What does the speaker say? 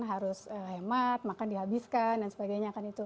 harus hemat makan dihabiskan dan sebagainya